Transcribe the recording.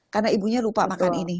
karena ibunya lupa makan ini